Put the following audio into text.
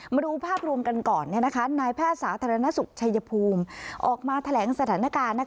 มาดูภาพรวมกันก่อนนายแพทย์สาธารณสุขชัยภูมิออกมาแถลงสถานการณ์